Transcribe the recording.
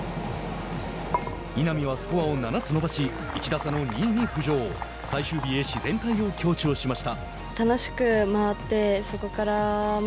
稲見はスコアを７つ伸ばし１打差の２位に浮上最終日へ自然体を強調しました。